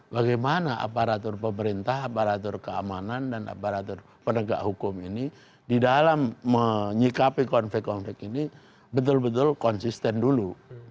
bagaimana aparatur pemerintah aparatur keamanan dan aparatur penegak hukum ini di dalam menyikapi konflik konflik ini betul betul konsisten dulu